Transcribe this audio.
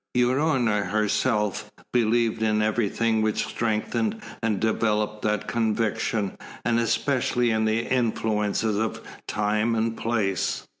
Unorna herself believed in everything which strengthened and developed that conviction, and especially in the influences of time and place.